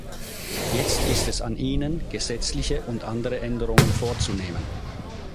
Jetzt ist es an ihnen, gesetzliche und andere Änderungen vorzunehmen.